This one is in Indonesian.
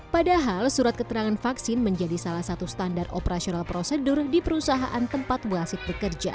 padahal surat keterangan vaksin menjadi salah satu standar operasional prosedur di perusahaan tempat wasit bekerja